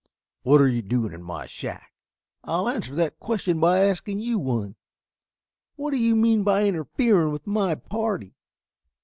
"What are you doing in my shack?" "I'll answer that question by asking you one. What do you mean by interfering with my party?"